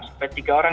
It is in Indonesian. sampai tiga orang